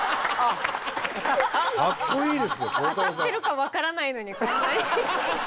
当たってるかわからないのにこんなに。